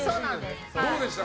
どうでした？